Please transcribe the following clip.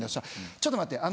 「ちょっと待って。